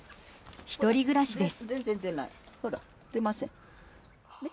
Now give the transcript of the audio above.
１人暮らしです。